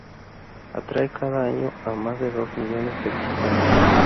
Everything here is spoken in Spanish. Atrae cada año a más de dos millones de visitantes.